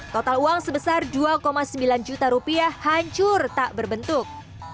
total uang sebesar dua sembilan juta rupiah hancur tak berbentuk